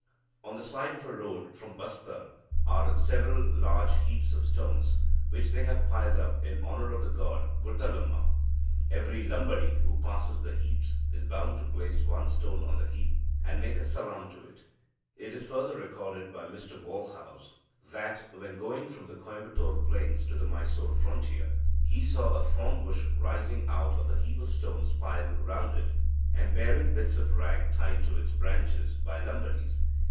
On the side of a road from Bastar are several large heaps of stones, which they have piled up in honour of the goddess Guttalamma. Every Lambadi who passes the heaps is bound to place one stone on the heap, and make a salaam to it. It is further recorded by Mr Walhouse that, when going from the Coimbatore plains to the Mysore frontier, he saw a thorn bush rising out of a heap of stones piled round it, and bearing bits of rag tied to its branches by Lambadis.